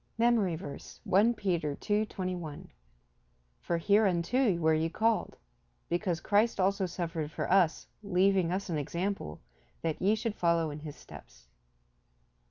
MEMORY VERSE, I Peter 2: 21 "For hereunto were ye called; because Christ also suffered for us, leaving us an example, that ye should follow in his steps."